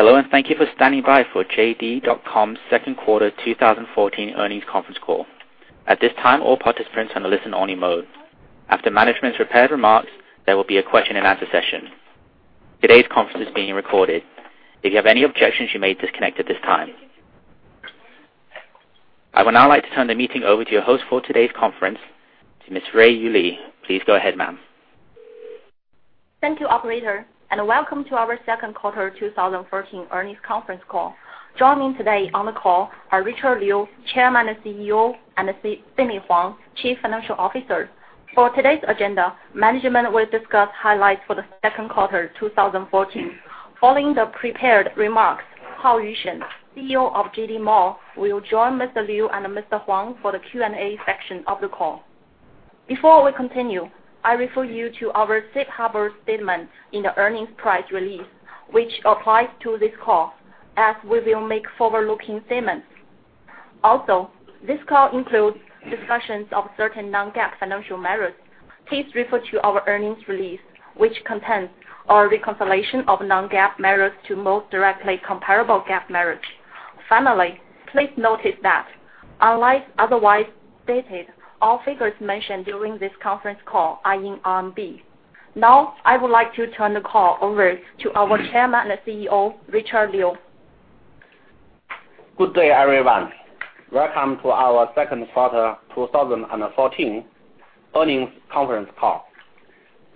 Hello, and thank you for standing by for JD.com's second quarter 2014 earnings conference call. At this time, all participants are in a listen-only mode. After management's prepared remarks, there will be a question-and-answer session. Today's conference is being recorded. If you have any objections, you may disconnect at this time. I would now like to turn the meeting over to your host for today's conference, to Ms. Ruiyu Li. Please go ahead, ma'am. Thank you, operator, and welcome to our second quarter 2014 earnings conference call. Joining today on the call are Richard Liu, Chairman and CEO, and Sidney Huang, Chief Financial Officer. For today's agenda, management will discuss highlights for the second quarter 2014. Following the prepared remarks, Haoyu Shen, CEO of JD Mall, will join Mr. Liu and Mr. Huang for the Q&A section of the call. Before we continue, I refer you to our safe harbor statement in the earnings press release, which applies to this call, as we will make forward-looking statements. Also, this call includes discussions of certain non-GAAP financial measures. Please refer to our earnings release, which contains our reconciliation of non-GAAP measures to most directly comparable GAAP measures. Finally, please notice that, unless otherwise stated, all figures mentioned during this conference call are in RMB. Now, I would like to turn the call over to our Chairman and CEO, Richard Liu. Good day, everyone. Welcome to our second quarter 2014 earnings conference call.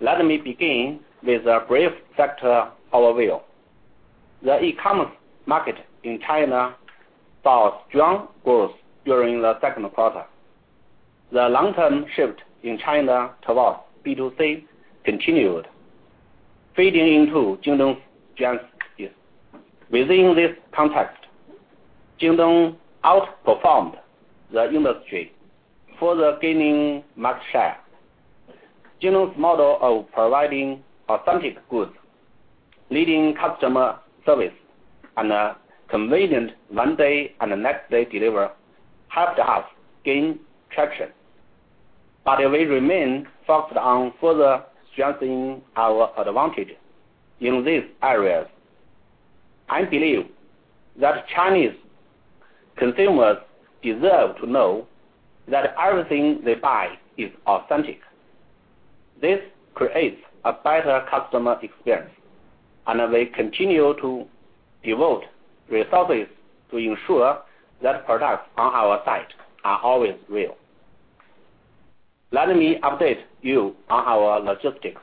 Let me begin with a brief sector overview. The e-commerce market in China saw strong growth during the second quarter. The long-term shift in China towards B2C continued, feeding into JD's strength. Within this context, JD outperformed the industry, further gaining market share. JD's model of providing authentic goods, leading customer service, and a convenient one-day and next-day delivery helped us gain traction. But we remain focused on further strengthening our advantage in these areas. I believe that Chinese consumers deserve to know that everything they buy is authentic. This creates a better customer experience, and we continue to devote resources to ensure that products on our site are always real. Let me update you on our logistics.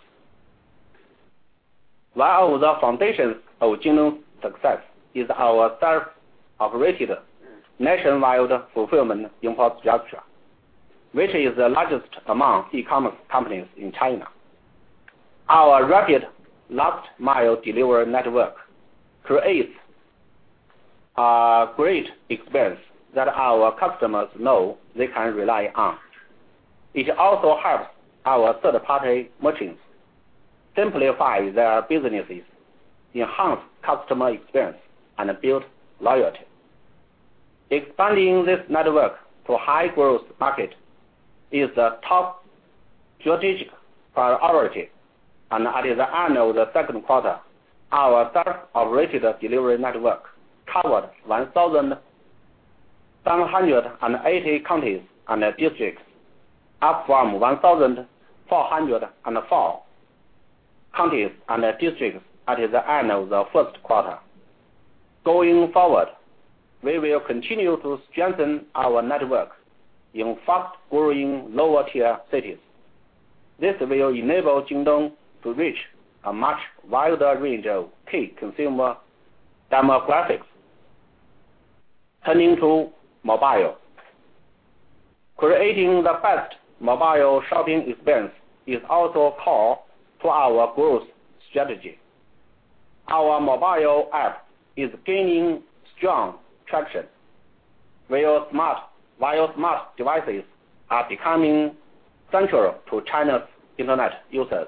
While the foundation of JD's success is our self-operated nationwide fulfillment infrastructure, which is the largest among e-commerce companies in China. Our rapid last-mile delivery network creates a great experience that our customers know they can rely on. It also helps our third-party merchants simplify their businesses, enhance customer experience, and build loyalty. Expanding this network to high-growth markets is a top strategic priority, and at the end of the second quarter, our self-operated delivery network covered 1,780 counties and districts, up from 1,404 counties and districts at the end of the first quarter. Going forward, we will continue to strengthen our network in fast-growing lower-tier cities. This will enable JD to reach a much wider range of key consumer demographics. Turning to mobile. Creating the best mobile shopping experience is also core to our growth strategy. Our mobile app is gaining strong traction, while smart devices are becoming central to China's internet users.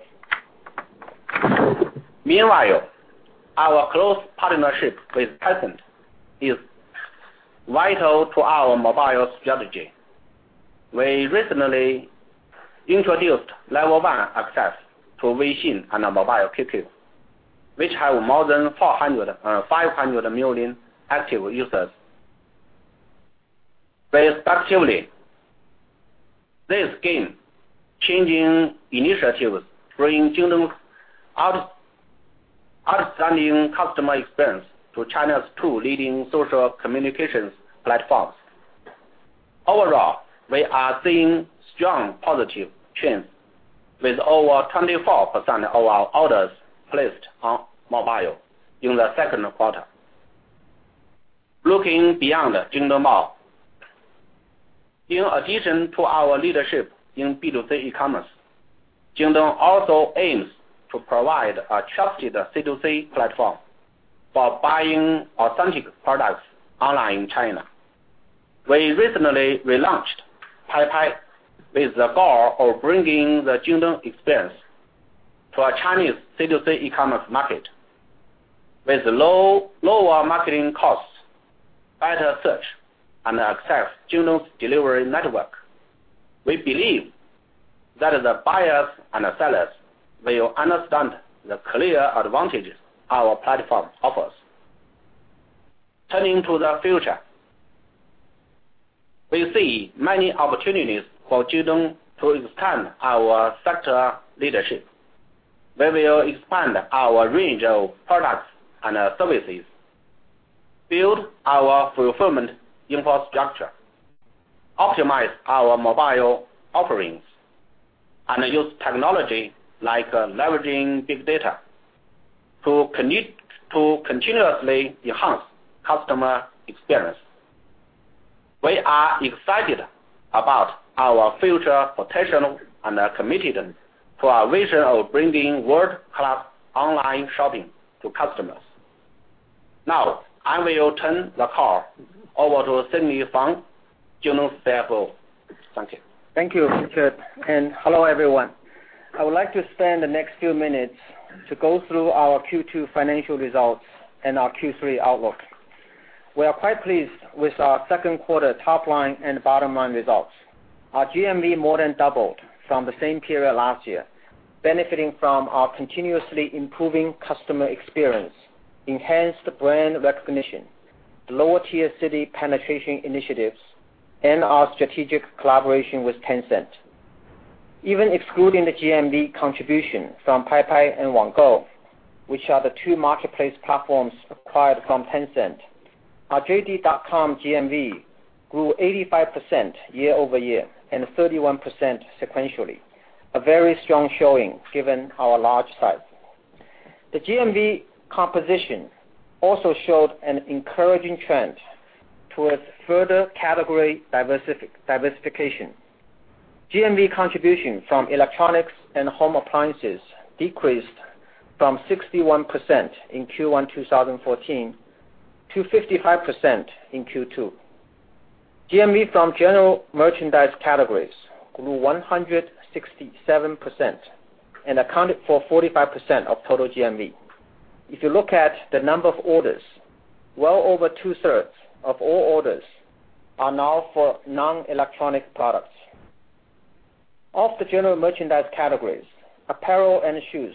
Meanwhile, our close partnership with Tencent is vital to our mobile strategy. We recently introduced level 1 access to WeChat and Mobile QQ, which have more than 500 million active users respectively. This game-changing initiative brings JD's outstanding customer experience to China's two leading social communications platforms. Overall, we are seeing strong positive trends, with over 24% of our orders placed on mobile in the second quarter. Looking beyond JD Mall. In addition to our leadership in B2C e-commerce, JD also aims to provide a trusted C2C platform for buying authentic products online in China. We recently relaunched Paipai with the goal of bringing the JD experience to a Chinese C2C e-commerce market with lower marketing costs and access JD's delivery network. We believe that the buyers and the sellers will understand the clear advantages our platform offers. Turning to the future, we see many opportunities for JD to extend our sector leadership. We will expand our range of products and services, build our fulfillment infrastructure, optimize our mobile offerings, and use technology like leveraging big data to continuously enhance customer experience. We are excited about our future potential and are committed to our vision of bringing world-class online shopping to customers. Now, I will turn the call over to Sidney Huang, JD's CFO. Thank you. Thank you, Richard, and hello, everyone. I would like to spend the next few minutes to go through our Q2 financial results and our Q3 outlook. We are quite pleased with our second quarter top-line and bottom-line results. Our GMV more than doubled from the same period last year, benefiting from our continuously improving customer experience, enhanced brand recognition, lower-tier city penetration initiatives, and our strategic collaboration with Tencent. Even excluding the GMV contribution from Paipai and Wanggou, which are the two marketplace platforms acquired from Tencent, our JD.com GMV grew 85% year-over-year and 31% sequentially. A very strong showing given our large size. The GMV composition also showed an encouraging trend towards further category diversification. GMV contribution from electronics and home appliances decreased from 61% in Q1 2014 to 55% in Q2. GMV from general merchandise categories grew 167% and accounted for 45% of total GMV. If you look at the number of orders, well over two-thirds of all orders are now for non-electronic products. Of the general merchandise categories, apparel and shoes,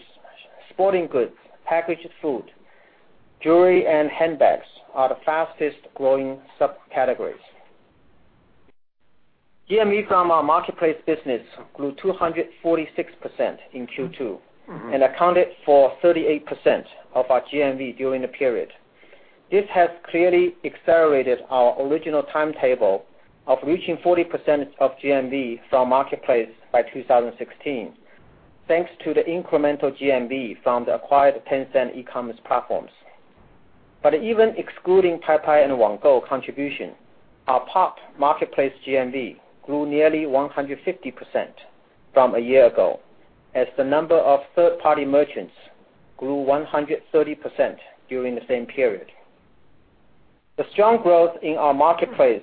sporting goods, packaged food, jewelry, and handbags are the fastest-growing sub-categories. GMV from our marketplace business grew 246% in Q2 and accounted for 38% of our GMV during the period. This has clearly accelerated our original timetable of reaching 40% of GMV from Marketplace by 2016, thanks to the incremental GMV from the acquired Tencent e-commerce platforms. But even excluding Paipai and Wanggou contribution, our POP marketplace GMV grew nearly 150% from a year ago, as the number of third-party merchants grew 130% during the same period. The strong growth in our marketplace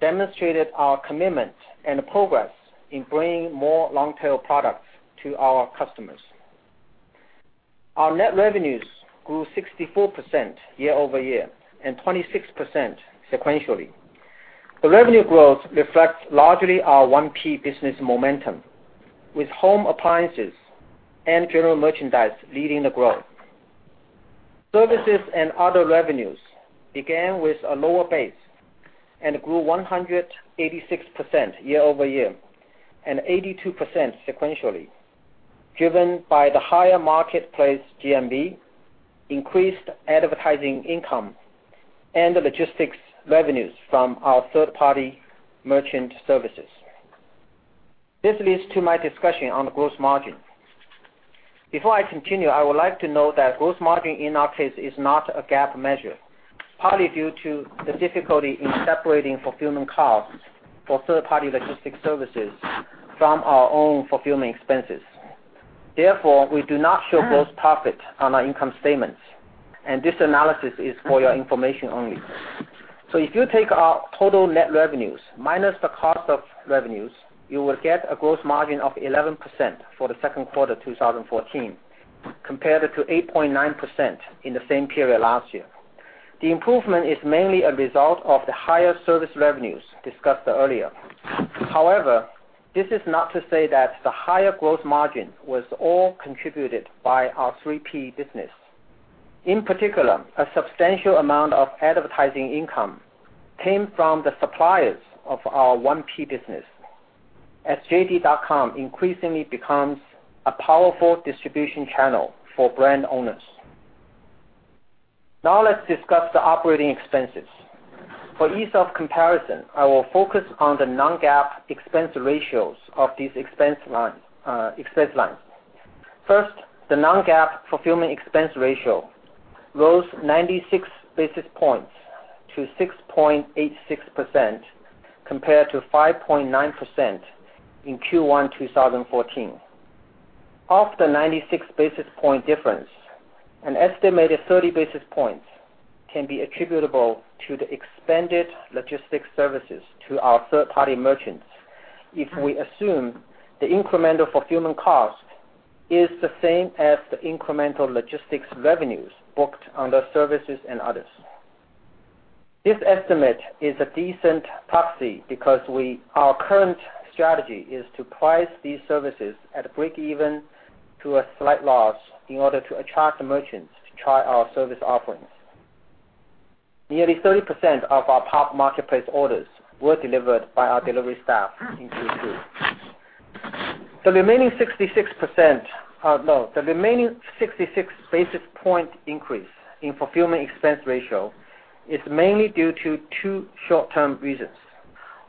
demonstrated our commitment and progress in bringing more long-tail products to our customers. Our net revenues grew 64% year-over-year and 26% sequentially. The revenue growth reflects largely our 1P business momentum, with home appliances and general merchandise leading the growth. Services and other revenues began with a lower base and grew 186% year-over-year and 82% sequentially, driven by the higher marketplace GMV, increased advertising income, and logistics revenues from our third-party merchant services. This leads to my discussion on the gross margin. Before I continue, I would like to note that gross margin, in our case, is not a GAAP measure, partly due to the difficulty in separating fulfillment costs for third-party logistics services from our own fulfillment expenses. Therefore, we do not show gross profit on our income statements, and this analysis is for your information only. If you take our total net revenues minus the cost of revenues, you will get a gross margin of 11% for the second quarter 2014, compared to 8.9% in the same period last year. The improvement is mainly a result of the higher service revenues discussed earlier. However, this is not to say that the higher gross margin was all contributed by our 3P business. In particular, a substantial amount of advertising income came from the suppliers of our 1P business, as JD.com increasingly becomes a powerful distribution channel for brand owners. Now let's discuss the operating expenses. For ease of comparison, I will focus on the non-GAAP expense ratios of these expense lines. First, the non-GAAP fulfillment expense ratio rose 96 basis points to 6.86%, compared to 5.9% in Q1 2014. Of the 96 basis point difference, an estimated 30 basis points can be attributable to the expanded logistics services to our third-party merchants if we assume the incremental fulfillment cost is the same as the incremental logistics revenues booked under services and others. This estimate is a decent proxy because our current strategy is to price these services at breakeven to a slight loss in order to attract the merchants to try our service offerings. Nearly 30% of our top marketplace orders were delivered by our delivery staff in Q2. The remaining 66 basis point increase in fulfillment expense ratio is mainly due to two short-term reasons.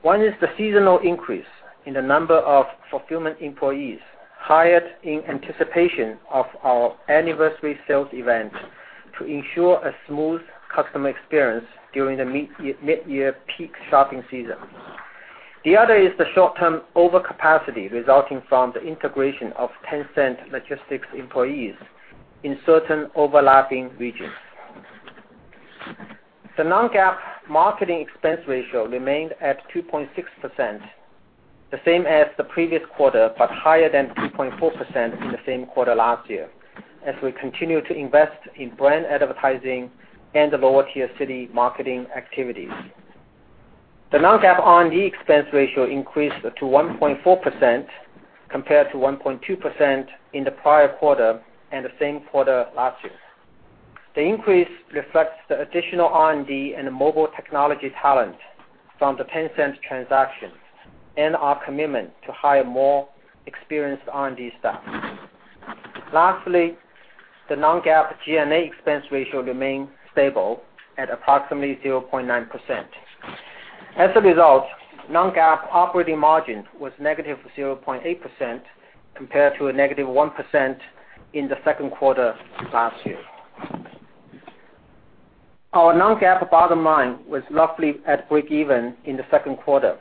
One is the seasonal increase in the number of fulfillment employees hired in anticipation of our anniversary sales event to ensure a smooth customer experience during the mid-year peak shopping season. The other is the short-term overcapacity resulting from the integration of Tencent logistics employees in certain overlapping regions. The non-GAAP marketing expense ratio remained at 2.6%, the same as the previous quarter, but higher than 2.4% in the same quarter last year, as we continue to invest in brand advertising and lower-tier city marketing activities. The non-GAAP R&D expense ratio increased to 1.4%, compared to 1.2% in the prior quarter and the same quarter last year. The increase reflects the additional R&D and mobile technology talent from the Tencent transaction and our commitment to hire more experienced R&D staff. Lastly, the non-GAAP G&A expense ratio remained stable at approximately 0.9%. As a result, non-GAAP operating margin was negative 0.8% compared to a negative 1% in the second quarter last year. Our non-GAAP bottom line was roughly at breakeven in the second quarter,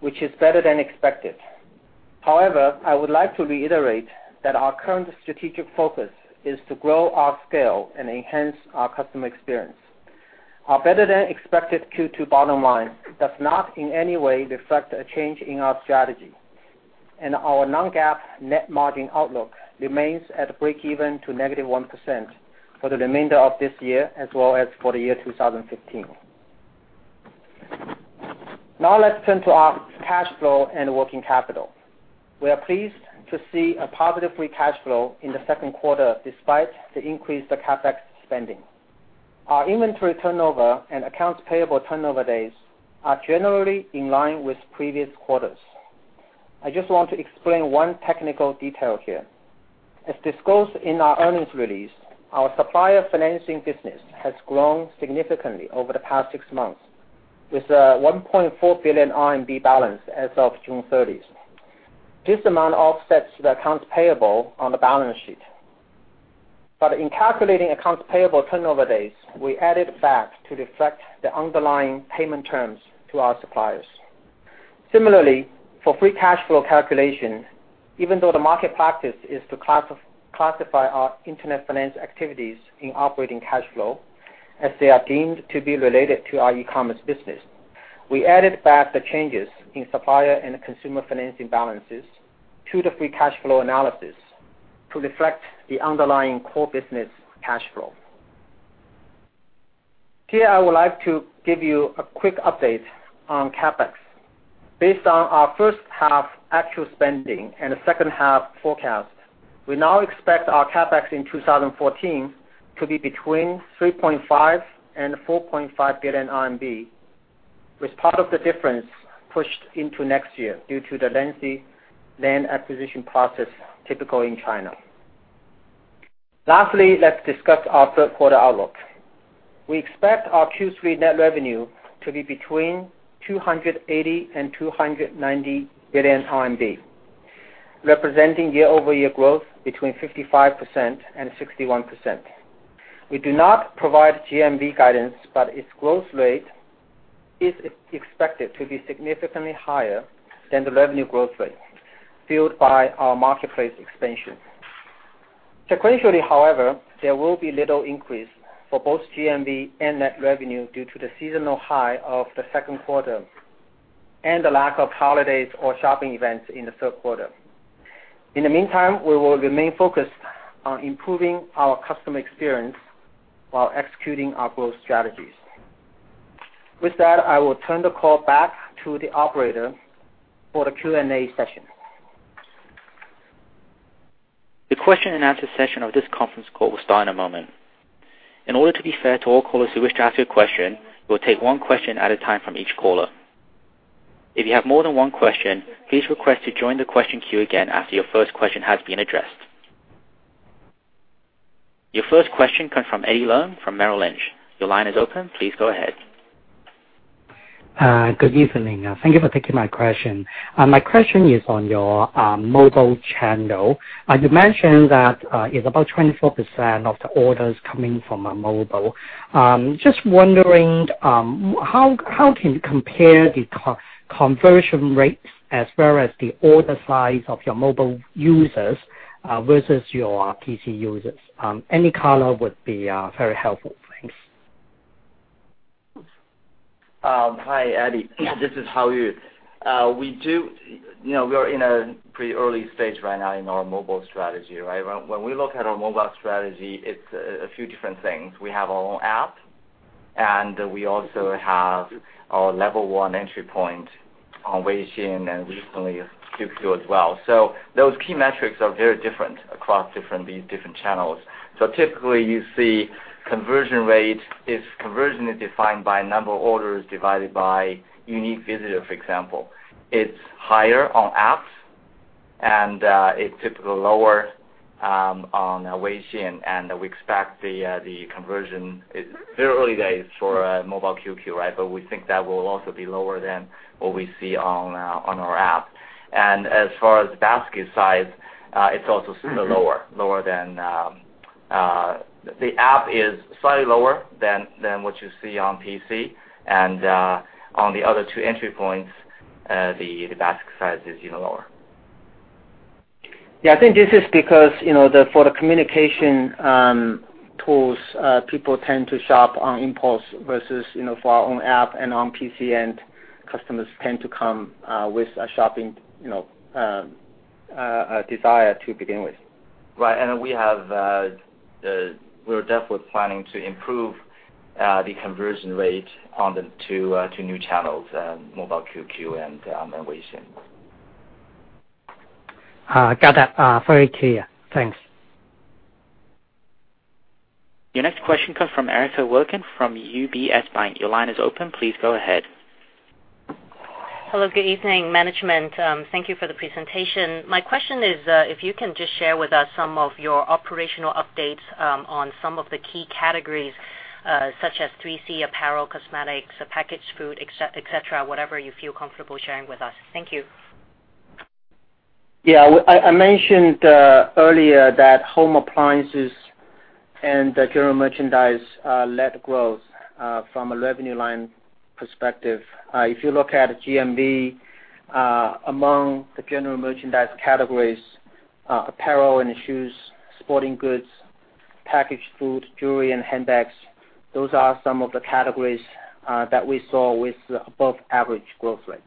which is better than expected. I would like to reiterate that our current strategic focus is to grow our scale and enhance our customer experience. Our better-than-expected Q2 bottom line does not in any way reflect a change in our strategy, and our non-GAAP net margin outlook remains at breakeven to negative 1% for the remainder of this year, as well as for the year 2015. Let's turn to our cash flow and working capital. We are pleased to see a positive free cash flow in the second quarter, despite the increase the CapEx spending. Our inventory turnover and accounts payable turnover days are generally in line with previous quarters. I just want to explain one technical detail here. As disclosed in our earnings release, our supplier financing business has grown significantly over the past six months with a 1.4 billion RMB balance as of June 30th. This amount offsets the accounts payable on the balance sheet. In calculating accounts payable turnover days, we added back to reflect the underlying payment terms to our suppliers. Similarly, for free cash flow calculation, even though the market practice is to classify our internet finance activities in operating cash flow, as they are deemed to be related to our e-commerce business, we added back the changes in supplier and consumer financing balances to the free cash flow analysis to reflect the underlying core business cash flow. I would like to give you a quick update on CapEx. Based on our first half actual spending and the second half forecast, we now expect our CapEx in 2014 to be between 3.5 billion and 4.5 billion RMB, with part of the difference pushed into next year due to the lengthy land acquisition process typical in China. Let's discuss our third quarter outlook. We expect our Q3 net revenue to be between 280 billion and 290 billion RMB, representing year-over-year growth between 55% and 61%. We do not provide GMV guidance, but its growth rate is expected to be significantly higher than the revenue growth rate, fueled by our marketplace expansion. However, there will be little increase for both GMV and net revenue due to the seasonal high of the second quarter and the lack of holidays or shopping events in the third quarter. We will remain focused on improving our customer experience while executing our growth strategies. I will turn the call back to the operator for the Q&A session. The question and answer session of this conference call will start in a moment. In order to be fair to all callers who wish to ask a question, we will take one question at a time from each caller. If you have more than one question, please request to join the question queue again after your first question has been addressed. Your first question comes from Eddie Leung from Merrill Lynch. Your line is open. Please go ahead. Good evening. Thank you for taking my question. My question is on your mobile channel. You mentioned that it is about 24% of the orders coming from mobile. Just wondering, how can you compare the conversion rates as well as the order size of your mobile users versus your PC users? Any color would be very helpful. Thanks. Hi, Eddie. Yeah. This is Haoyu. We are in a pretty early stage right now in our mobile strategy, right? When we look at our mobile strategy, it is a few different things. We have our own app, and we also have our level 1 entry point on WeChat and recently, QQ as well. Typically, you see conversion rate, if conversion is defined by number of orders divided by unique visitor, for example. It is higher on apps, and it is typically lower on WeChat, and It is very early days for Mobile QQ, right? We think that will also be lower than what we see on our app. And as far as basket size, it is also super low. The app is slightly lower than what you see on PC, and on the other two entry points, the basket size is even lower. Yeah. I think this is because, for the communication tools, people tend to shop on impulse versus for our own app and on PC-end, customers tend to come with a shopping desire to begin with. Right. We're definitely planning to improve the conversion rate on the two new channels, Mobile QQ and on WeChat. Got that. Very clear. Thanks. Your next question comes from Eric Wen from UBS. Your line is open. Please go ahead. Hello, good evening, management. Thank you for the presentation. My question is, if you can just share with us some of your operational updates on some of the key categories, such as 3C, apparel, cosmetics, packaged food, et cetera, whatever you feel comfortable sharing with us. Thank you. Yeah. I mentioned earlier that home appliances and general merchandise led growth from a revenue line perspective. If you look at GMV, among the general merchandise categories, apparel and shoes, sporting goods, packaged food, jewelry, and handbags, those are some of the categories that we saw with above average growth rate.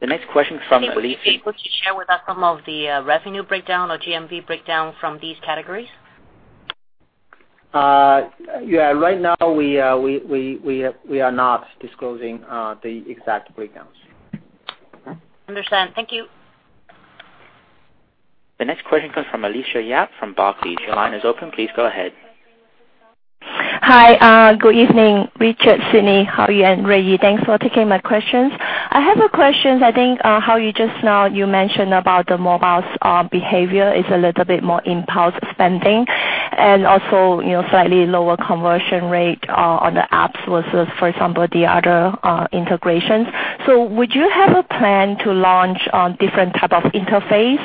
The next question from- Are you able to share with us some of the revenue breakdown or GMV breakdown from these categories? Yeah. Right now, we are not disclosing the exact breakdowns. Understand. Thank you. The next question comes from Alicia Yap from Barclays. Your line is open. Please go ahead. Hi. Good evening, Richard, Sidney, Haoyu, and Ruiyu. Thanks for taking my questions. I have a question. I think, Haoyu, just now you mentioned about the mobile's behavior is a little bit more impulse spending, and also slightly lower conversion rate on the apps versus, for example, the other integrations. Would you have a plan to launch on different type of interface,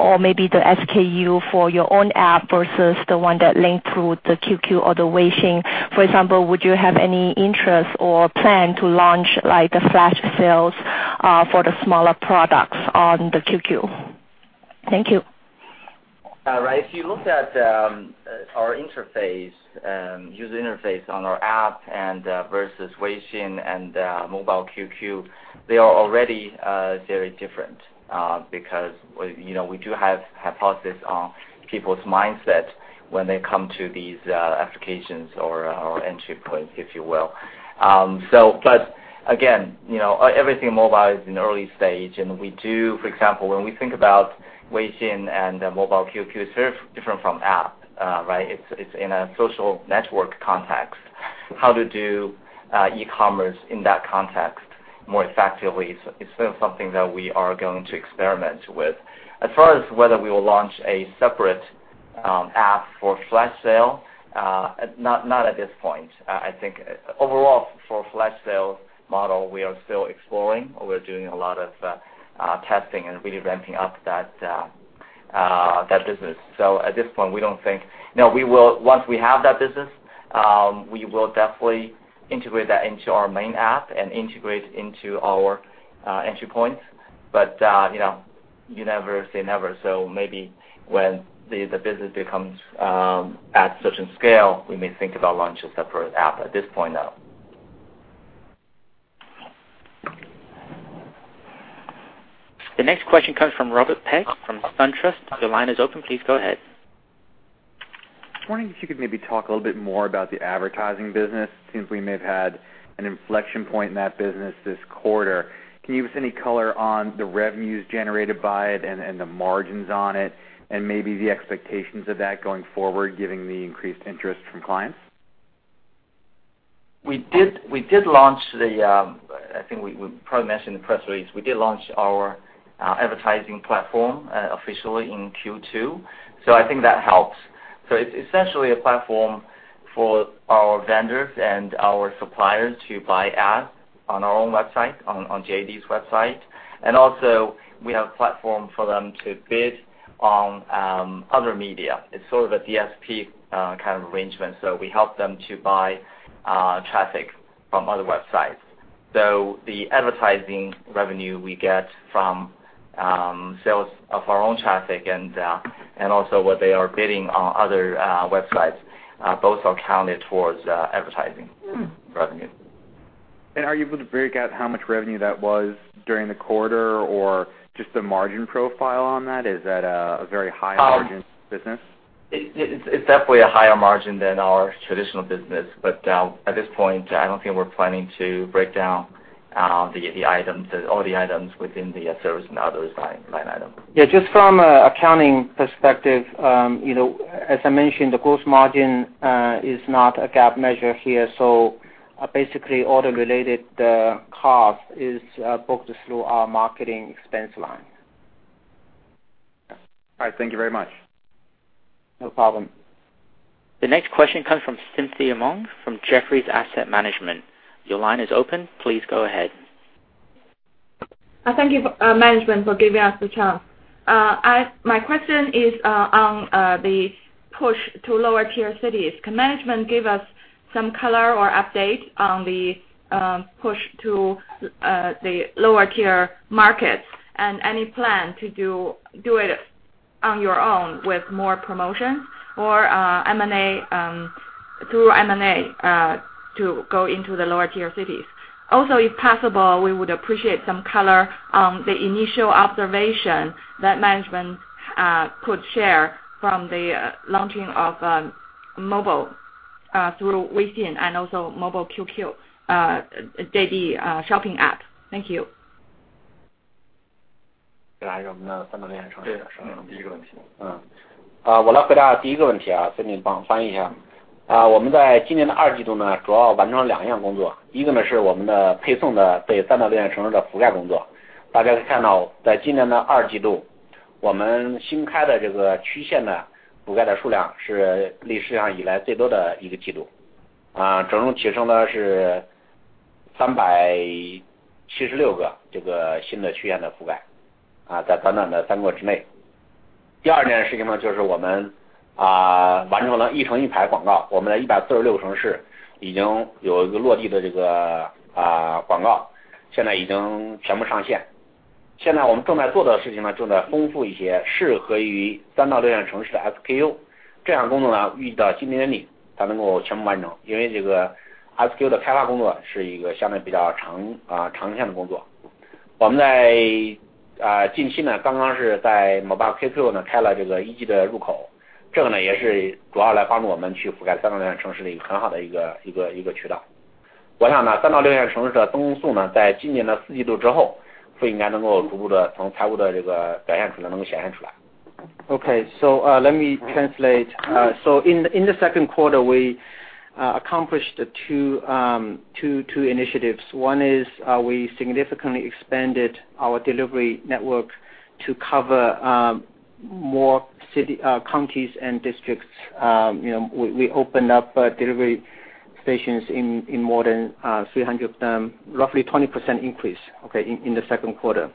or maybe the SKU for your own app versus the one that link through the QQ or the WeChat? For example, would you have any interest or plan to launch like the flash sales for the smaller products on the QQ? Thank you. Right. If you look at our user interface on our app and versus WeChat and Mobile QQ, they are already very different, because we do have hypothesis on people's mindset when they come to these applications or entry point, if you will. Again, everything mobile is in early stage, and we do, for example, when we think about WeChat and Mobile QQ, it's very different from app, right? It's in a social network context. How to do e-commerce in that context more effectively is still something that we are going to experiment with. As far as whether we will launch a separate app for flash sale, not at this point. I think overall for flash sale model, we are still exploring. We're doing a lot of testing and really ramping up that business. At this point, we don't think No, once we have that business, we will definitely integrate that into our main app and integrate into our entry points. You never say never. Maybe when the business becomes at certain scale, we may think about launching a separate app. At this point, no. The next question comes from Robert Peck from SunTrust. Your line is open. Please go ahead. I was wondering if you could maybe talk a little bit more about the advertising business. It seems we may have had an inflection point in that business this quarter. Can you give us any color on the revenues generated by it and the margins on it, and maybe the expectations of that going forward, given the increased interest from clients? We did launch, I think we probably mentioned in the press release. We did launch our advertising platform officially in Q2. I think that helps. It's essentially a platform for our vendors and our suppliers to buy ads on our own website, on JD's website. Also we have a platform for them to bid on other media. It's sort of a DSP kind of arrangement. We help them to buy traffic from other websites. The advertising revenue we get from Sales of our own traffic and also what they are bidding on other websites, both are counted towards advertising revenue. Are you able to break out how much revenue that was during the quarter? Or just the margin profile on that? Is that a very high- margin business? It's definitely a higher margin than our traditional business. At this point, I don't think we're planning to break down all the items within the service and others line item. Yeah, just from an accounting perspective, as I mentioned, the gross margin is not a GAAP measure here. Basically all the related costs is booked through our marketing expense line. All right. Thank you very much. No problem. The next question comes from Cynthia Meng from Jefferies Asset Management. Your line is open, please go ahead. Thank you, management, for giving us the chance. My question is on the push to lower-tier cities. Can management give us some color or update on the push to the lower-tier markets? Any plan to do it on your own with more promotions, or through M&A to go into the lower-tier cities. If possible, we would appreciate some color on the initial observation that management could share from the launching of mobile through WeChat and also Mobile QQ JD shopping app. Thank you. Okay. Let me translate. In the second quarter, we accomplished two initiatives. One is we significantly expanded our delivery network to cover more counties and districts. We opened up delivery stations in more than 300, roughly 20% increase, in the second quarter,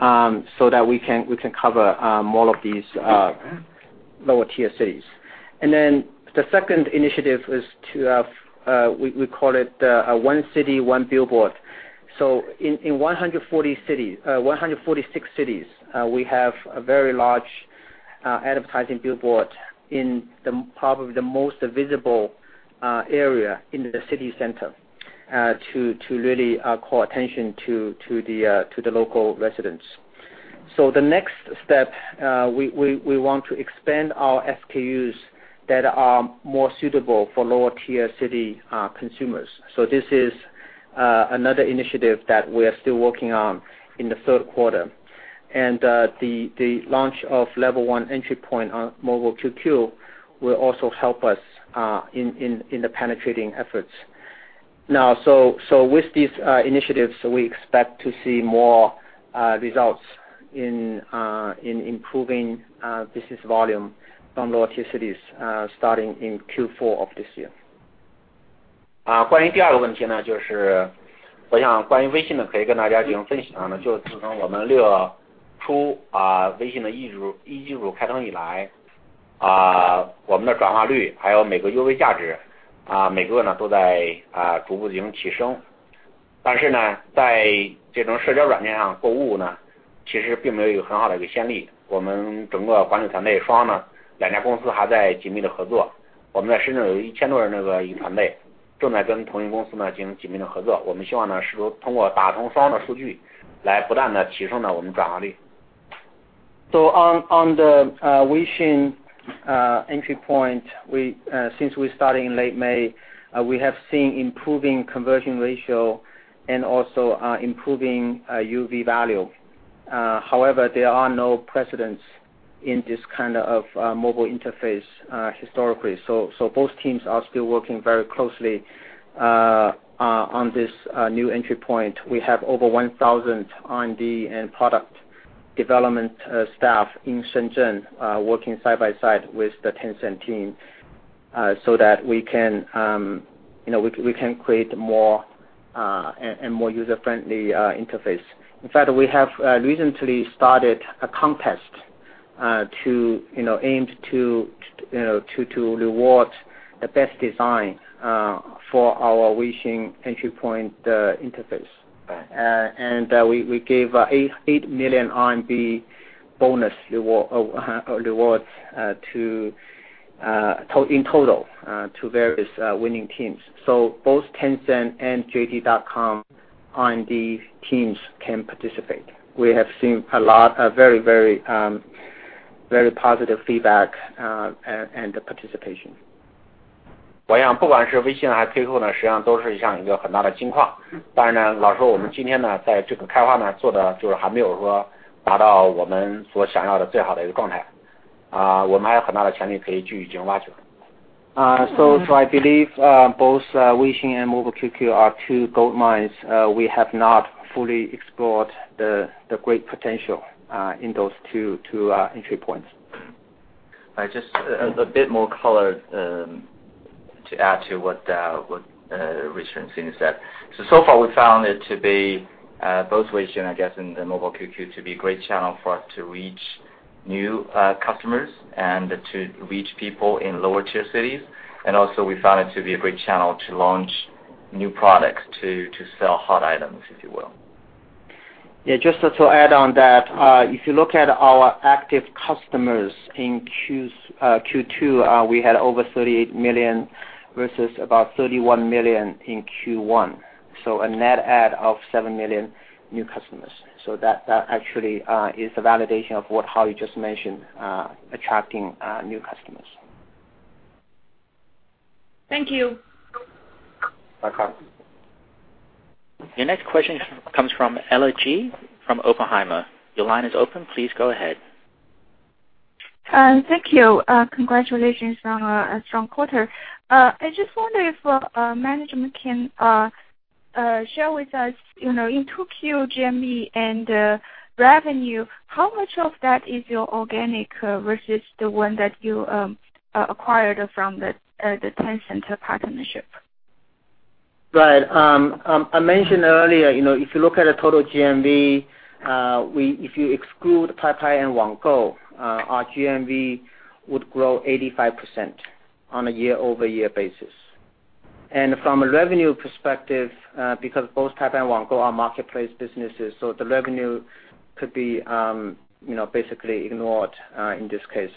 so that we can cover more of these lower-tier cities. The second initiative is, we call it One City, One Billboard. In 146 cities, we have a very large advertising billboard in probably the most visible area in the city center to really call attention to the local residents. The next step, we want to expand our SKUs that are more suitable for lower-tier city consumers. This is another initiative that we're still working on in the third quarter. The launch of level 1 entry point on Mobile QQ will also help us in the penetrating efforts. With these initiatives, we expect to see more results in improving business volume from lower-tier cities, starting in Q4 of this year. On the WeChat entry point, since we started in late May, we have seen improving conversion ratio and also improving UV value. However, there are no precedents in this kind of mobile interface historically, so both teams are still working very closely on this new entry point. We have over 1,000 R&D and product development staff in Shenzhen, working side by side with the Tencent team, so that we can create a more user-friendly interface. In fact, we have recently started a contest to aim to reward the best design for our Weixin entry point interface. We gave 8 million RMB bonus rewards in total to various winning teams. Both Tencent and JD.com on the teams can participate. We have seen very positive feedback and participation. I believe both Weixin and Mobile QQ are two gold mines. We have not fully explored the great potential in those two entry points. Just a bit more color to add to what Richard and Sidney said. So far, we found it to be, both Weixin, I guess, and the Mobile QQ, to be a great channel for us to reach new customers and to reach people in lower tier cities. Also we found it to be a great channel to launch new products, to sell hot items, if you will. Yeah, just to add on that, if you look at our active customers in Q2, we had over 38 million versus about 31 million in Q1. A net add of 7 million new customers. That actually is a validation of what Hao just mentioned, attracting new customers. Thank you. Welcome. Your next question comes from Ella Ji from Oppenheimer. Your line is open. Please go ahead. Thank you. Congratulations on a strong quarter. I just wonder if management can share with us, in 2Q GMV and revenue, how much of that is your organic versus the one that you acquired from the Tencent partnership? Right. I mentioned earlier, if you look at the total GMV, if you exclude Paipai and Wanggou, our GMV would grow 85% on a year-over-year basis. From a revenue perspective, because both Paipai and Wanggou are marketplace businesses, the revenue could be basically ignored in this case.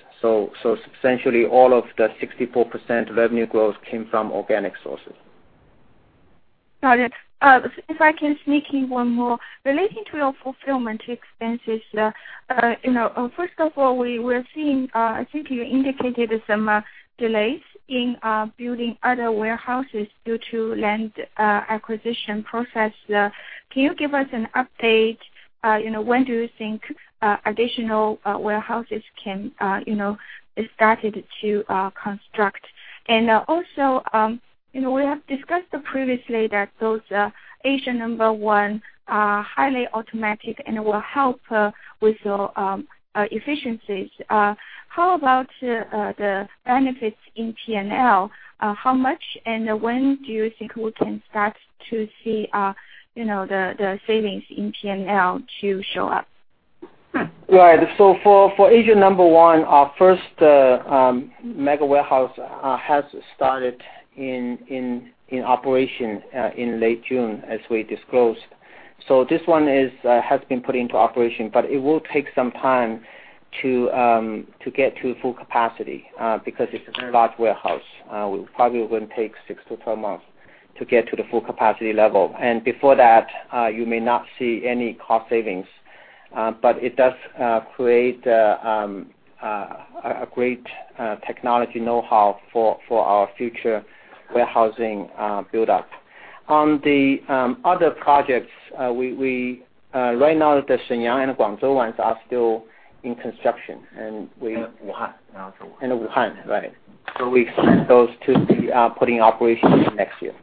Essentially all of the 64% revenue growth came from organic sources. Got it. If I can sneak in one more. Relating to your fulfillment expenses, first of all, I think you indicated some delays in building other warehouses due to land acquisition process. Can you give us an update? When do you think additional warehouses can be started to construct? Also, we have discussed previously that those Asia No. 1 are highly automatic and will help with your efficiencies. How about the benefits in P&L? How much and when do you think we can start to see the savings in P&L to show up? Right. For Asia No. 1, our first mega warehouse has started in operation in late June, as we disclosed. This one has been put into operation, it will take some time to get to full capacity because it's a very large warehouse. It probably will take 6-12 months to get to the full capacity level. Before that, you may not see any cost savings. It does create a great technology know-how for our future warehousing build-up. On the other projects, right now, the Shenyang and Guangzhou ones are still in construction and we- Wuhan. Wuhan, right. We expect those to be put in operation next year.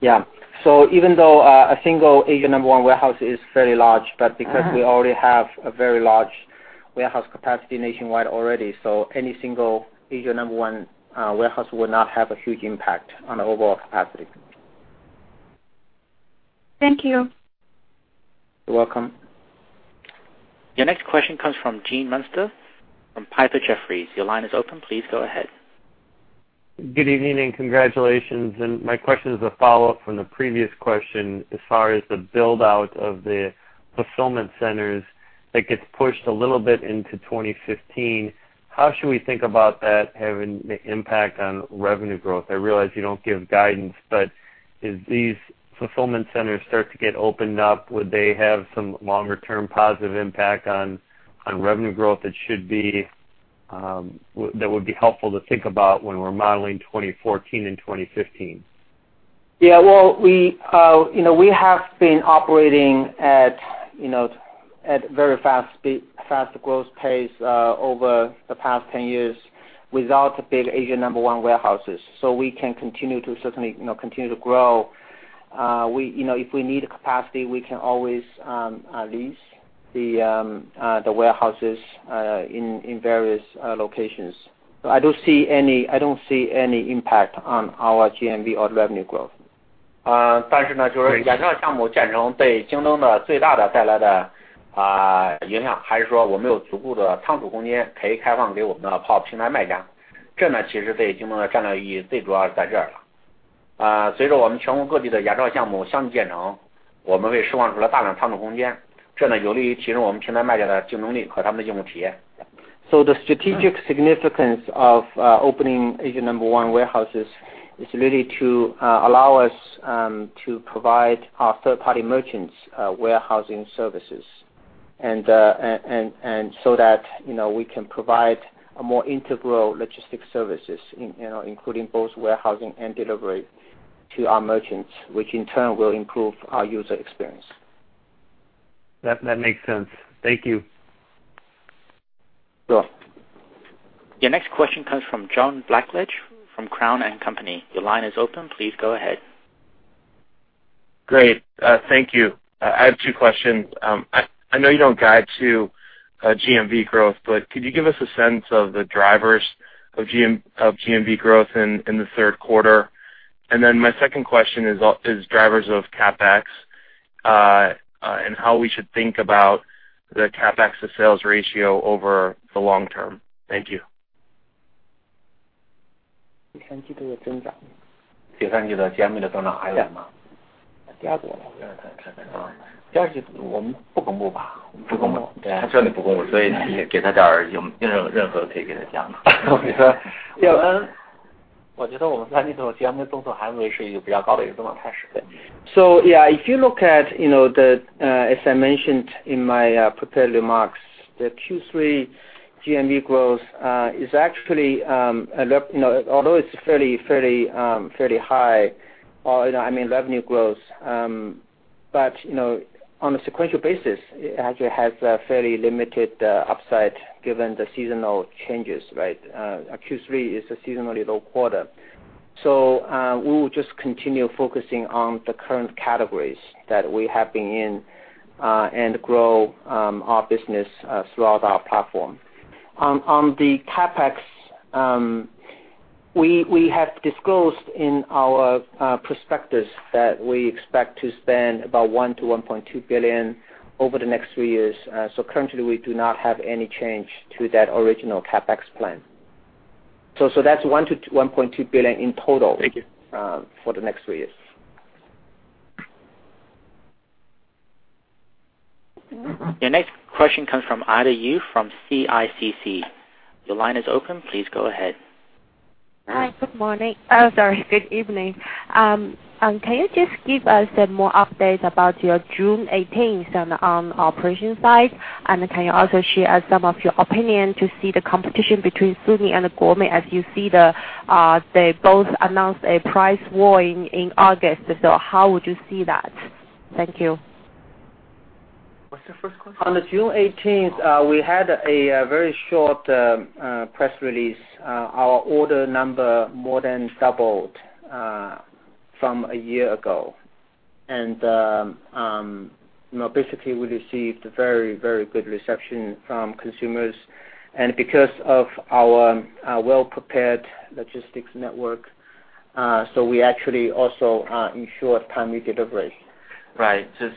Yeah. Even though a single Asia No. 1 warehouse is fairly large, because we already have a very large warehouse capacity nationwide already, any single Asia No. 1 warehouse will not have a huge impact on the overall capacity. Thank you. You're welcome. Your next question comes from Gene Munster from Piper Jaffray. Your line is open. Please go ahead. Good evening and congratulations. My question is a follow-up from the previous question. As far as the build-out of the fulfillment centers that gets pushed a little bit into 2015, how should we think about that having an impact on revenue growth? I realize you don't give guidance, but as these fulfillment centers start to get opened up, would they have some longer-term positive impact on revenue growth that would be helpful to think about when we're modeling 2014 and 2015? Well, we have been operating at very fast growth pace over the past 10 years without the big Asia No. 1 warehouses. We can certainly continue to grow If we need capacity, we can always lease the warehouses in various locations. I don't see any impact on our GMV or revenue growth. The strategic significance of opening Asia No. 1 warehouses is really to allow us to provide our third-party merchants warehousing services. That we can provide more integral logistics services, including both warehousing and delivery to our merchants, which in turn will improve our user experience. That makes sense. Thank you. Sure. Your next question comes from John Blackledge from Cowen and Company. Your line is open. Please go ahead. Great. Thank you. I have 2 questions. I know you don't guide to GMV growth, but could you give us a sense of the drivers of GMV growth in the third quarter? My second question is drivers of CapEx, and how we should think about the CapEx to sales ratio over the long term. Thank you. If you look at, as I mentioned in my prepared remarks, the Q3 GMV growth, although it's fairly high, I mean revenue growth. On a sequential basis, it actually has a fairly limited upside given the seasonal changes. Q3 is a seasonally low quarter. We will just continue focusing on the current categories that we have been in, and grow our business throughout our platform. On the CapEx, we have disclosed in our prospectus that we expect to spend about $1 billion-$1.2 billion over the next three years. Currently, we do not have any change to that original CapEx plan. That's $1 billion-$1.2 billion in total. Thank you for the next three years. Your next question comes from Ada Yu from CICC. Your line is open. Please go ahead. Hi. Good morning. Oh, sorry. Good evening. Can you just give us some more updates about your June 18th on operation side? Can you also share some of your opinion to see the competition between Suning.com and Gome as you see they both announced a price war in August. How would you see that? Thank you. What's the first question? On June 18th, we had a very short press release. Our order number more than doubled from a year ago. Basically, we received very, very good reception from consumers. Because of our well-prepared logistics network, we actually also ensured time delivery. Right. Just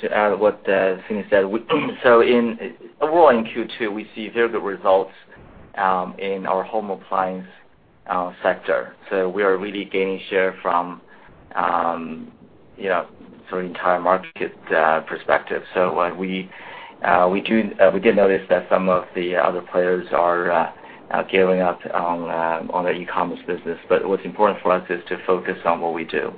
to add to what Huang is saying, overall in Q2, we see very good results in our home appliance sector. We are really gaining share from the entire market perspective. We did notice that some of the other players are giving up on their e-commerce business. What's important for us is to focus on what we do.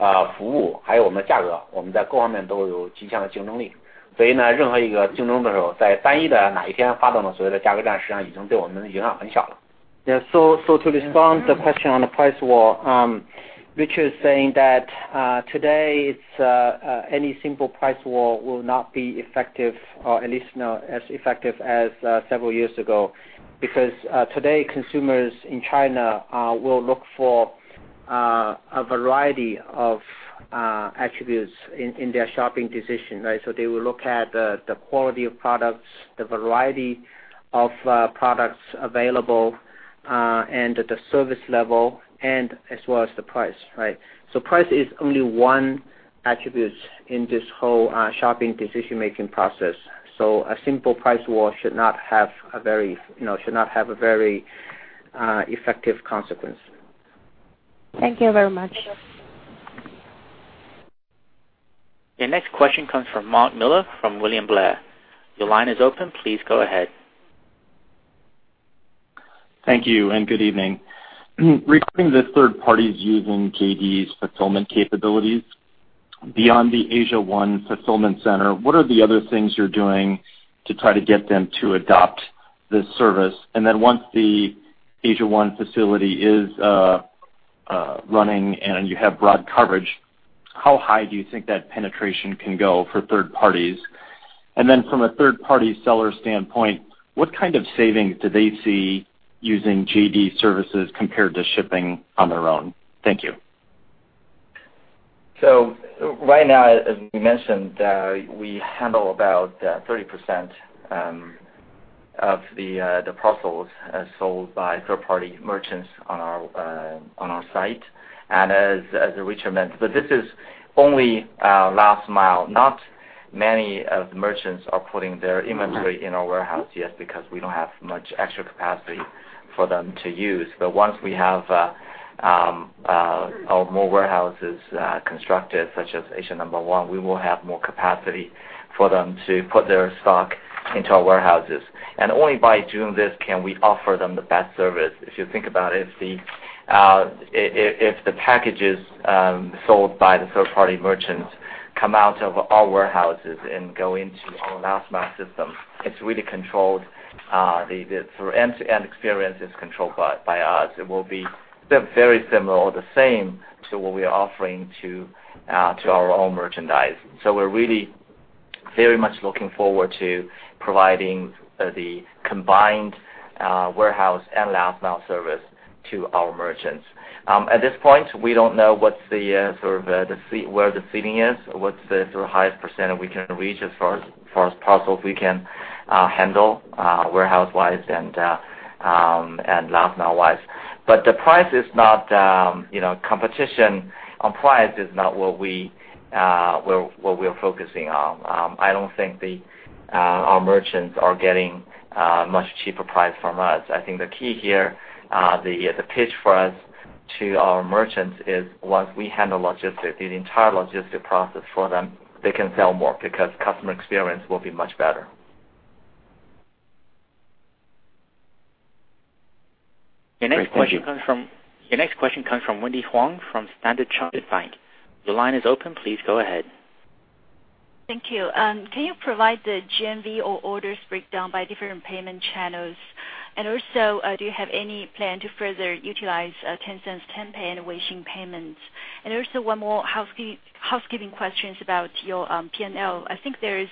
To respond to the question on the price war, Richard is saying that, today, any simple price war will not be effective, or at least not as effective as several years ago. Today, consumers in China will look for a variety of attributes in their shopping decision. They will look at the quality of products, the variety of products available, the service level, as well as the price. Price is only one attribute in this whole shopping decision-making process. A simple price war should not have a very effective consequence. Thank you very much. Your next question comes from Mark Miller from William Blair. Your line is open. Please go ahead. Thank you, good evening. Regarding the third parties using JD's fulfillment capabilities. Beyond the Asia No. 1 fulfillment center, what are the other things you're doing to try to get them to adopt this service? Once the Asia No. 1 facility is running and you have broad coverage, how high do you think that penetration can go for third parties? From a third-party seller standpoint, what kind of savings do they see using JD services compared to shipping on their own? Thank you. Right now, as we mentioned, we handle about 30% of the parcels sold by third-party merchants on our site. As Richard mentioned, this is only last mile. Not many of the merchants are putting their inventory in our warehouse yet because we don't have much extra capacity for them to use. Once we have more warehouses constructed, such as Asia No. 1, we will have more capacity for them to put their stock into our warehouses. Only by doing this, can we offer them the best service. If you think about it, if the packages sold by the third-party merchants come out of our warehouses and go into our last mile system, it's really controlled. The end-to-end experience is controlled by us. It will be very similar or the same to what we are offering to our own merchandise. We're really very much looking forward to providing the combined warehouse and last mile service to our merchants. At this point, we don't know where the ceiling is or what's the highest % we can reach as far as parcels we can handle warehouse-wise and last mile-wise. Competition on price is not what we're focusing on. I don't think our merchants are getting a much cheaper price from us. I think the key here, the pitch for us to our merchants is once we handle logistics, the entire logistics process for them, they can sell more because customer experience will be much better. Great. Thank you. Your next question comes from Wendy Huang from Standard Chartered Bank. Your line is open. Please go ahead. Thank you. Can you provide the GMV or orders breakdown by different payment channels? Do you have any plan to further utilize Tencent's Tenpay and Weixin payments? One more housekeeping questions about your P&L. I think there is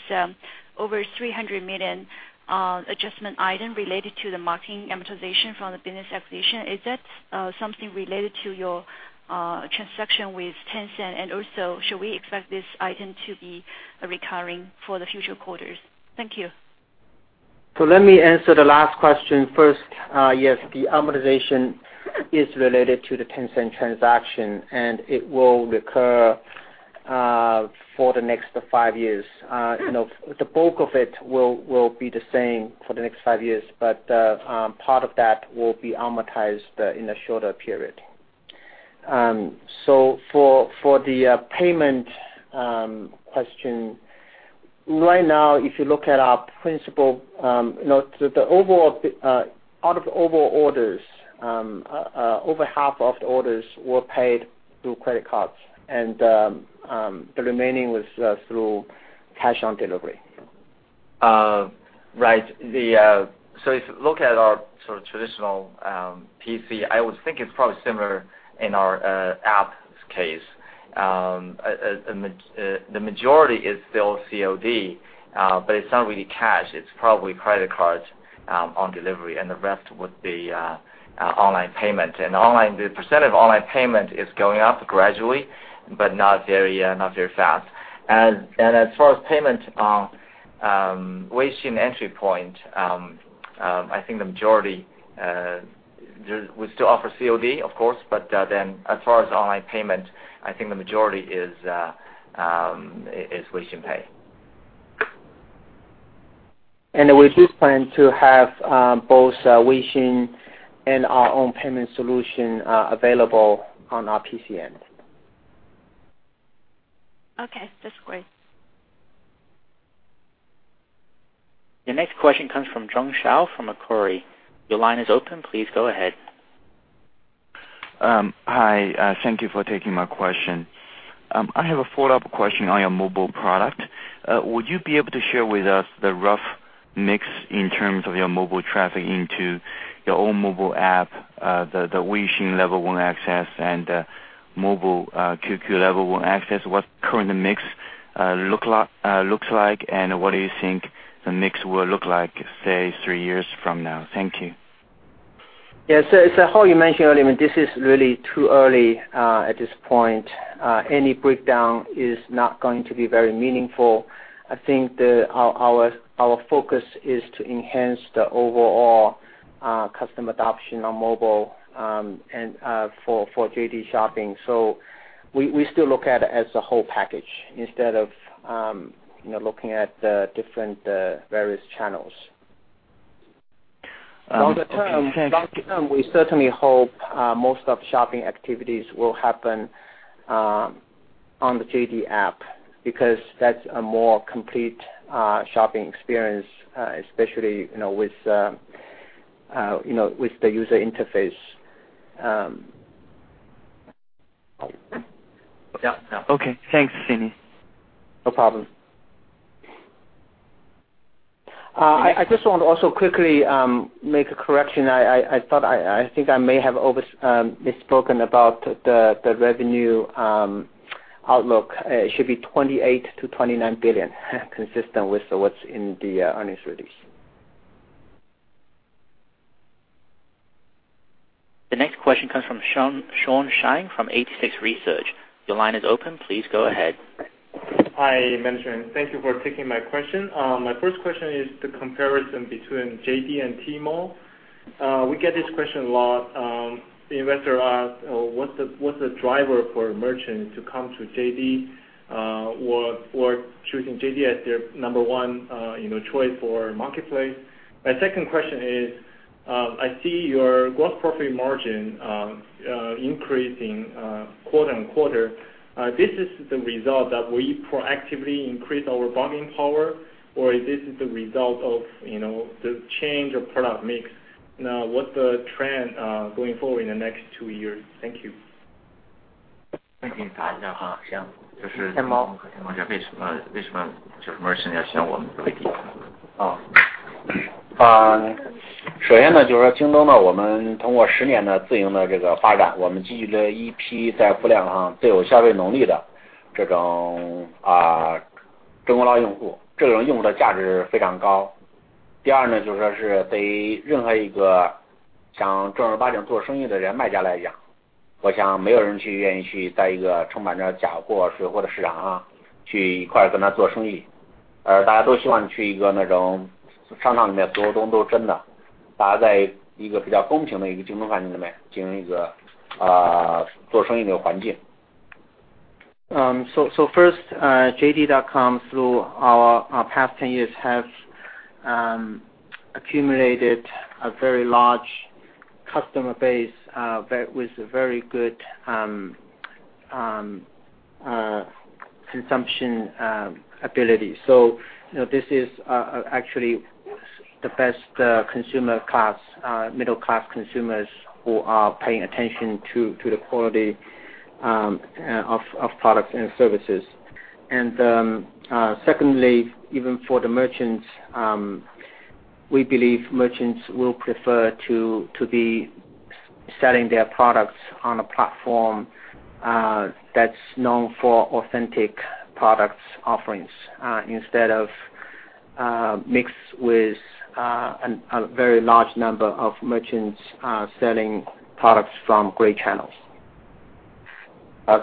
over 300 million adjustment item related to the marketing amortization from the business acquisition. Is that something related to your transaction with Tencent? Should we expect this item to be recurring for the future quarters? Thank you. Let me answer the last question first. Yes, the amortization is related to the Tencent transaction, and it will recur for the next five years. The bulk of it will be the same for the next five years, but part of that will be amortized in a shorter period. For the payment question, right now, if you look at our principal, out of overall orders, over half of the orders were paid through credit cards, and the remaining was through cash on delivery. Right. If you look at our traditional PC, I would think it's probably similar in our app's case. The majority is still COD, but it's not really cash. It's probably credit cards on delivery, and the rest would be online payment. The % of online payment is going up gradually, but not very fast. As far as payment on Weixin entry point, we still offer COD, of course, but then as far as online payment, I think the majority is Weixin Pay. We do plan to have both Weixin and our own payment solution available on our PC end. Okay, that's great. Your next question comes from Jiong Shao from Macquarie. Your line is open. Please go ahead. Hi. Thank you for taking my question. I have a follow-up question on your mobile product. Would you be able to share with us the rough mix in terms of your mobile traffic into your own mobile app, the Weixin level 1 access, and the Mobile QQ level 1 access? What's the current mix looks like, and what do you think the mix will look like, say, three years from now? Thank you. Yes. As Haoyu mentioned earlier, this is really too early at this point. Any breakdown is not going to be very meaningful. I think our focus is to enhance the overall customer adoption on mobile and for JD shopping. We still look at it as a whole package instead of looking at the different various channels. Long term, we certainly hope most of shopping activities will happen on the JD app, because that's a more complete shopping experience, especially with the user interface. Yeah. Okay. Thanks, Jimmy. No problem. I just want to also quickly make a correction. I think I may have misspoken about the revenue outlook. It should be 28 billion to 29 billion, consistent with what's in the earnings release. The next question comes from Sean Zhang from 86Research. Your line is open. Please go ahead. Hi, management. Thank you for taking my question. My first question is the comparison between JD.com and Tmall. We get this question a lot. The investor asks, what's the driver for a merchant to come to JD.com, or choosing JD.com as their number one choice for marketplace? My second question is, I see your gross profit margin increasing quarter-on-quarter. This is the result that we proactively increase our bargaining power, or is this the result of the change of product mix? What's the trend going forward in the next two years? Thank you. First, JD.com, through our past 10 years, have accumulated a very large customer base with a very good consumption ability. This is actually the best consumer class, middle-class consumers, who are paying attention to the quality of products and services. Secondly, even for the merchants, we believe merchants will prefer to be selling their products on a platform that's known for authentic products offerings, instead of mixed with a very large number of merchants selling products from gray channels. Third,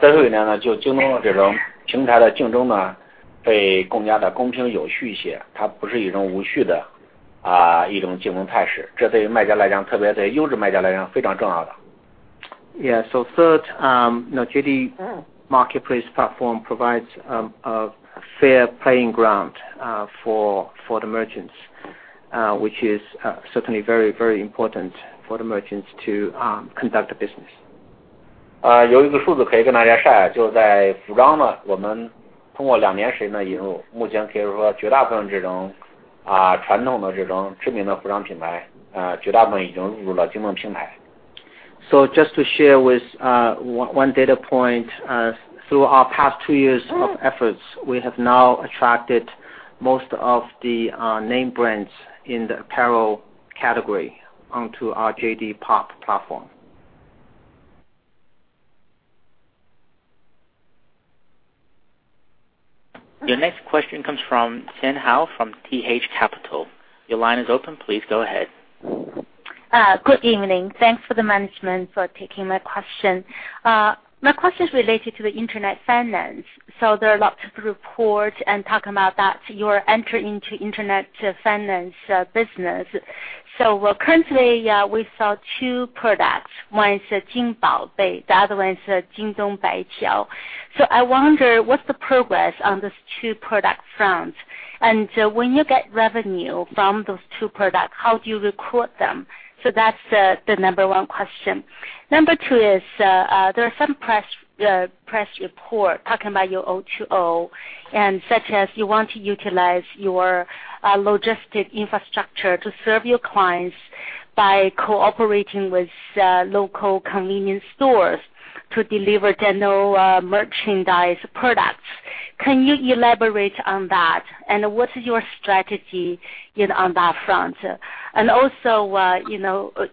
JD Marketplace platform provides a fair playing ground for the merchants, which is certainly very important, for the merchants to conduct business. Just to share with one data point. Through our past two years of efforts, we have now attracted most of the name brands in the apparel category onto our JD POP platform. The next question comes from Tian Hou from TH Capital. Your line is open. Please go ahead. Good evening. Thanks for the management for taking my question. My question is related to the internet finance. There are lots of reports and talk about that you're entering into internet finance business. Currently, we saw two products. One is Jing Bao Bei, the other one is Jingdong Baitiao. I wonder, what's the progress on these two product fronts? When you get revenue from those two products, how do you record them? That's the number one question. Number two is, there are some press report talking about your O2O, such as you want to utilize your logistics infrastructure to serve your clients by cooperating with local convenience stores to deliver general merchandise products. Can you elaborate on that, and what's your strategy on that front? Also,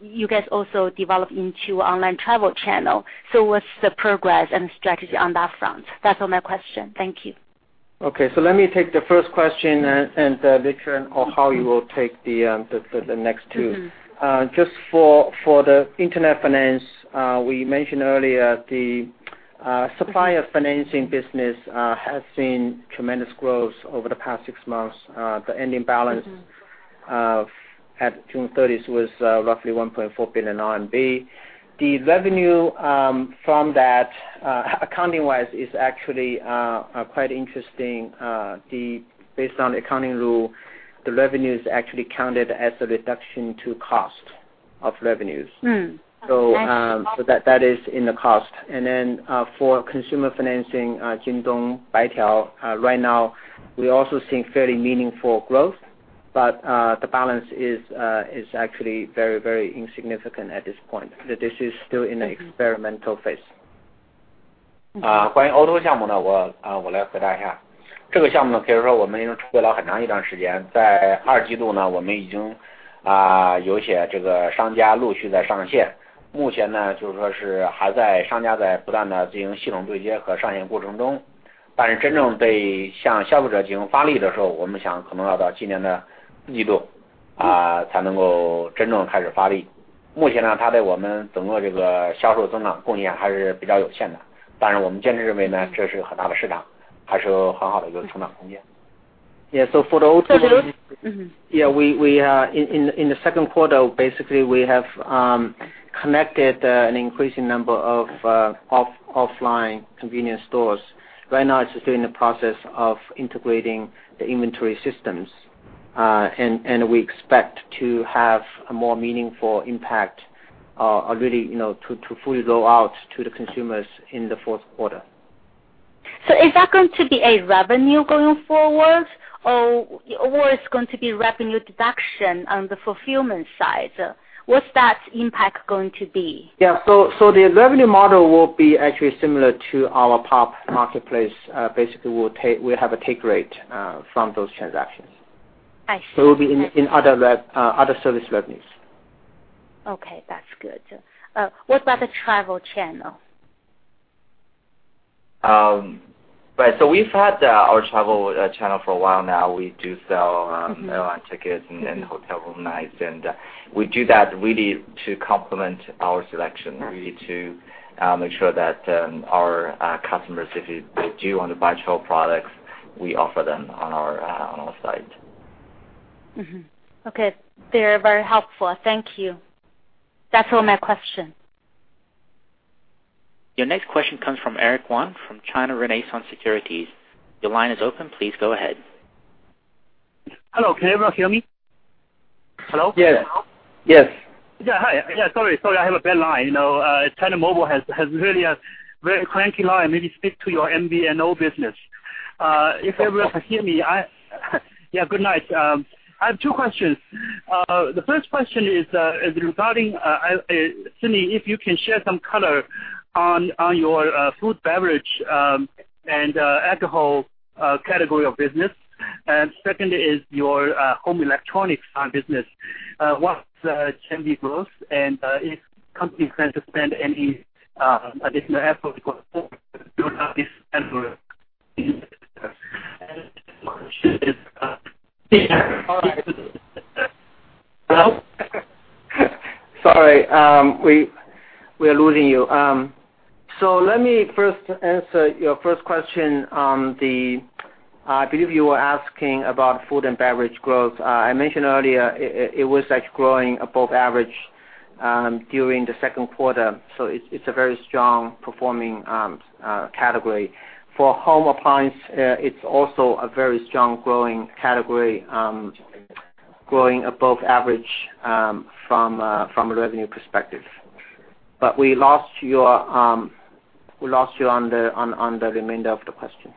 you guys also develop into online travel channel. What's the progress and strategy on that front? That's all my question. Thank you. Okay. Let me take the first question, and later on, Hao, you will take the next two. Just for the internet finance, we mentioned earlier the supplier financing business has seen tremendous growth over the past six months. The ending balance at June 30th was roughly 1.4 billion RMB. The revenue from that, accounting-wise, is actually quite interesting. Based on accounting rule, the revenue is actually counted as a reduction to Cost of revenues. I see. That is in the cost. For consumer financing, Jingdong Baitiao, right now, we are also seeing fairly meaningful growth, but the balance is actually very insignificant at this point. This is still in the experimental phase. Yeah. For the O2O- In the second quarter, basically, we have connected an increasing number of offline convenience stores. Right now, it's still in the process of integrating the inventory systems. We expect to have a more meaningful impact or really to fully roll out to the consumers in the fourth quarter. Is that going to be a revenue going forward or it's going to be revenue deduction on the fulfillment side? What's that impact going to be? Yeah. The revenue model will be actually similar to our POP marketplace. Basically, we'll have a take rate from those transactions. I see. It'll be in other service revenues. That's good. What about the travel channel? We've had our travel channel for a while now. We do sell airline tickets and hotel room nights, and we do that really to complement our selection, really to make sure that our customers, if they do want to buy travel products, we offer them on our site. They're very helpful. Thank you. That's all my question. Your next question comes from Eric Wong from China Renaissance Securities. Your line is open. Please go ahead. Hello, can everyone hear me? Hello? Yes. Yeah. Hi. Yeah, sorry. I have a bad line. China Mobile has really a very cranky line, maybe speaks to your MVNO business. If everyone can hear me, good night. I have two questions. The first question is regarding, Sidney, if you can share some color on your food, beverage, and alcohol category of business. Second is your home electronics business. What's the growth, and is company trying to spend any additional effort for build up this category? The second question is Hello? Sorry. We are losing you. Let me first answer your first question on the I believe you were asking about food and beverage growth. I mentioned earlier it was actually growing above average during the second quarter, so it's a very strong-performing category. For home appliance, it's also a very strong growing category, growing above average from a revenue perspective. We lost you on the remainder of the question.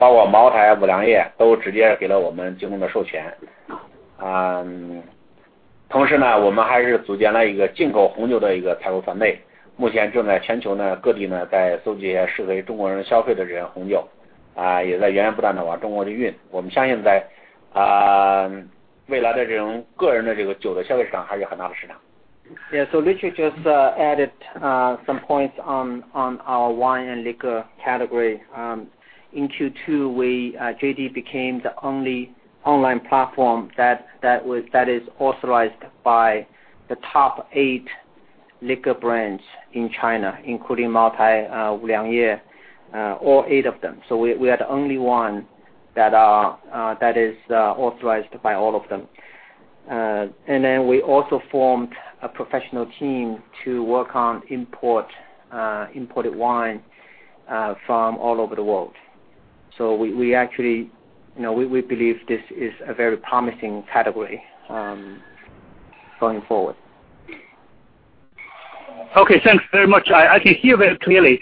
Yeah. Richard just added some points on our wine and liquor category. In Q2, JD became the only online platform that is authorized by the top eight liquor brands in China, including Moutai, Wuliangye, all eight of them. We are the only one that is authorized by all of them. We also formed a professional team to work on imported wine from all over the world. We believe this is a very promising category going forward. Okay, thanks very much. I can hear very clearly.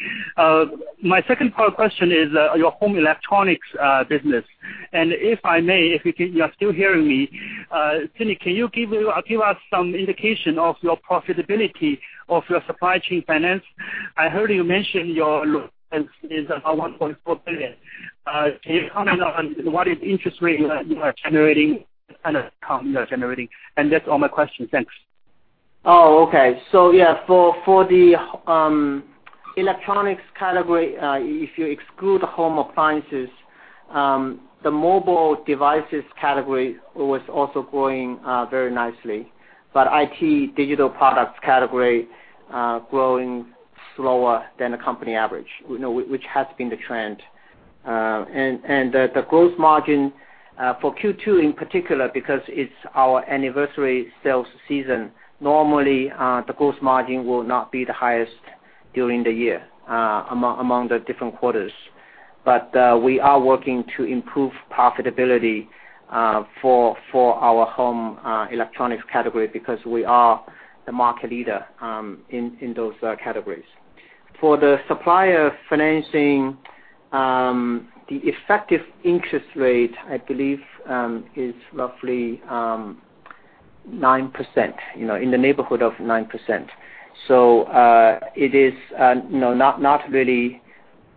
My second part of question is your home electronics business. If I may, if you are still hearing me, Sidney, can you give us some indication of your profitability of your supply chain finance? I heard you mention your is around 1.4 billion. Can you comment on what interest rate you are generating and the income you are generating? That's all my questions. Thanks. Okay. For the electronics category, if you exclude the home appliances, the mobile devices category was also growing very nicely. IT digital products category, growing slower than a company average, which has been the trend. The gross margin for Q2, in particular, because it's our anniversary sales season, normally, the gross margin will not be the highest during the year among the different quarters. We are working to improve profitability for our home electronics category because we are the market leader in those categories. For the supplier financing, the effective interest rate, I believe, is roughly 9%, in the neighborhood of 9%. It is not really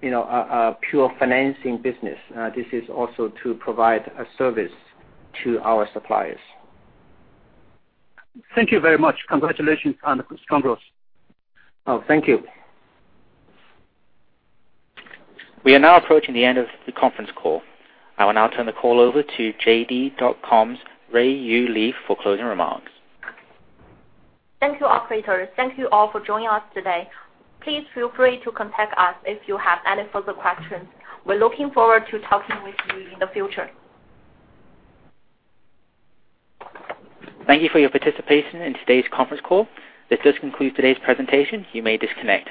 a pure financing business. This is also to provide a service to our suppliers. Thank you very much. Congratulations on the strong growth. Oh, thank you. We are now approaching the end of the conference call. I will now turn the call over to JD.com's Ruiyu Li for closing remarks. Thank you, operator. Thank you all for joining us today. Please feel free to contact us if you have any further questions. We're looking forward to talking with you in the future. Thank you for your participation in today's conference call. This does conclude today's presentation. You may disconnect.